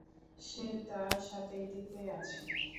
সে তার সাথেই দ্বীপে আছে।